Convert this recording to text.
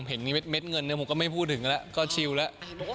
เห็นเม็ดเงินเนี่ยผมก็ไม่พูดถึงแล้วก็ชิวแล้ว